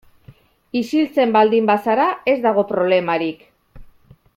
Isiltzen baldin bazara ez dago problemarik.